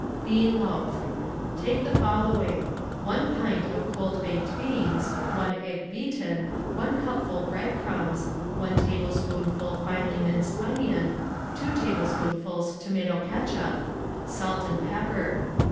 BEAN LOAF— Take the following: 1 pint of cold baked beans, 1 egg beaten, 1 cupful bread crumbs, 1 tablespoonful finely minced onion, 2 tablespoonfuls tomato catsuj) ; salt and pepper.